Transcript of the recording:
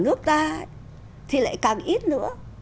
ở nước ta thì lại càng ít nữa